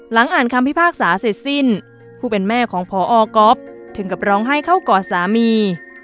หลังอ่านคำพิพากษาเสร็จสิ้นผู้เป็นแม่ของพอก๊อฟถึงกับร้องไห้เข้ากอดสามี